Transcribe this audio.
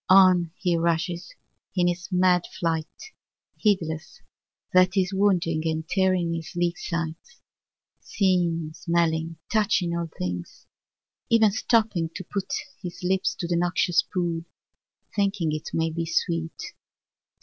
On he rushes, in his mad flight, heedless that he is wounding and tearing his sleek sides â seeing, smelling, touching of all things; even stopping to put his lips to the noxious pool, thinking it may be sweet.